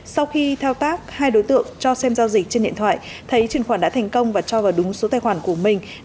sau khi theo tác hai đối tượng cho xem giao dịch trên điện thoại thấy chuyển khoản đã thành công và cho vào đúng số tài khoản của mình